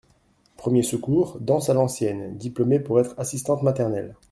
Premiers secours, danses à l’ancienne, diplômée pour être assistante maternelle.